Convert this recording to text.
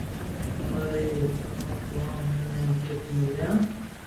او اي رو وجھ مون ڪو امون نو گفٽ مڪتا